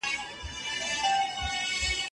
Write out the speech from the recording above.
زه هر وخت ستا خبري اورم.